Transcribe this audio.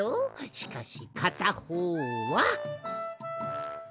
しかしかたほうは。